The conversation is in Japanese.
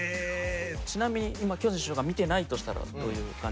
ちなみに今巨人師匠が見てないとしたらどういう感じ。